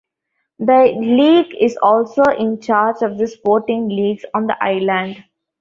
The league is also in charge of the sporting leagues on the island.